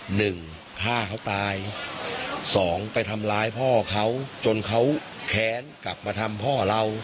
หนึ่งฆ่าเขาตายสองไปทำร้ายพ่อเขาจนเขาแค้นกลับมาทำพ่อเรา